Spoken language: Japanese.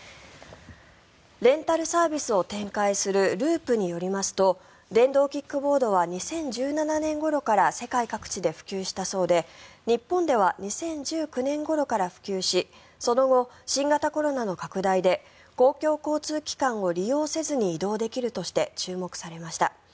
レンタルサービスを展開するＬｕｕｐによりますと電動キックボードは２０１７年ごろから世界各地で普及したそうで日本では２０１９年ごろから普及しその後、新型コロナの拡大で公共交通機関を利用せずに移動できるとして注目されました。